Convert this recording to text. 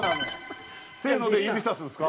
「せーの」で指さすんですか？